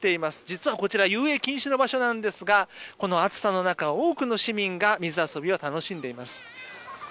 実はこちら遊泳禁止の場所ですがこの暑さの中、多くの市民が水遊びを楽しんでいます。